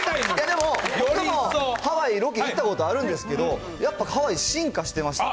でも、ハワイロケ行ったことあるんですけど、やっぱハワイ、進化してました。